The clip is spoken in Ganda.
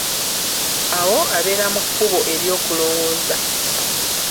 Awo abera mu kkubo ery'okulowooza.